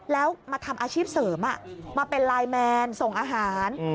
แล้วมาทำอาชีพเสริมมาเป็นไลน์แมนส่งอาหาร